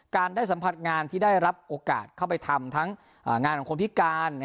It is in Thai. ได้สัมผัสงานที่ได้รับโอกาสเข้าไปทำทั้งงานของคนพิการ